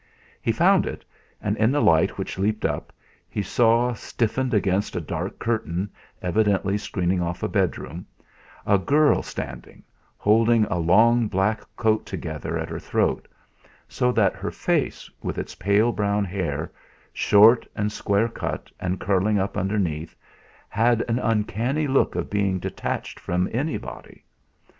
He found it, and in the light which leaped up he saw, stiffened against a dark curtain evidently screening off a bedroom, a girl standing, holding a long black coat together at her throat, so that her face with its pale brown hair, short and square cut and curling up underneath, had an uncanny look of being detached from any body.